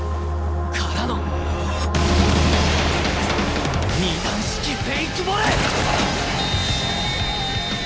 からの二段式フェイクボレー！